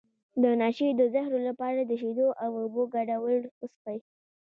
د نشې د زهرو لپاره د شیدو او اوبو ګډول وڅښئ